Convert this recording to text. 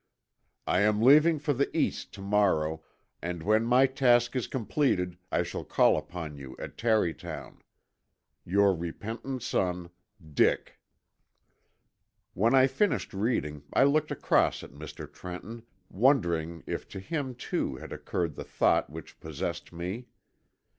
I am leaving for the East to morrow and when my task is completed, I shall call upon you at Tarrytown. "Your repentant son, "DICK." When I finished reading I looked across at Mr. Trenton, wondering if to him too had occurred the thought which possessed me.